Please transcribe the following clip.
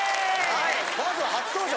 はいまずは初登場